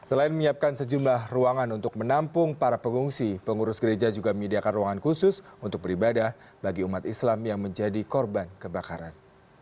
selain menyiapkan sejumlah ruangan untuk menampung para pengungsi pengurus gereja juga menyediakan ruangan khusus untuk beribadah bagi umat islam yang menjadi korban kebakaran